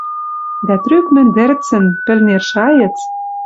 Дӓ трӱк мӹндӹрцӹн, пӹл нер шайыц